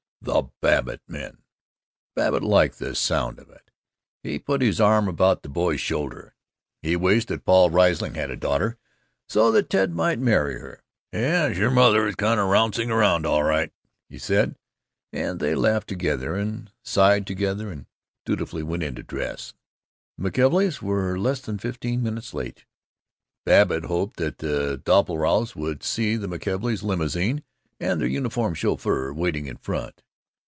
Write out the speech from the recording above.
"The Babbitt men!" Babbitt liked the sound of it. He put his arm about the boy's shoulder. He wished that Paul Riesling had a daughter, so that Ted might marry her. "Yes, your mother is kind of rouncing round, all right," he said, and they laughed together, and sighed together, and dutifully went in to dress. The McKelveys were less than fifteen minutes late. Babbitt hoped that the Doppelbraus would see the McKelveys' limousine, and their uniformed chauffeur, waiting in front.